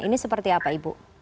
ini seperti apa ibu